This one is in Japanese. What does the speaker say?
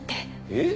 えっ？